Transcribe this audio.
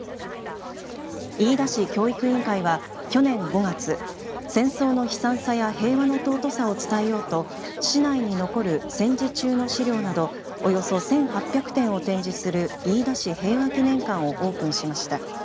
飯田市教育委員会は去年５月戦争の悲惨さや平和の尊さを伝えようと市内に残る戦時中の資料などおよそ１８００点を展示する飯田市平和祈念館をオープンしました。